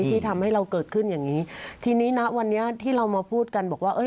ที่ทำให้เราเกิดขึ้นอย่างงี้ทีนี้นะวันนี้ที่เรามาพูดกันบอกว่าเอ้